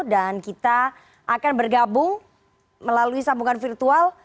dan kita akan bergabung melalui sambungan virtual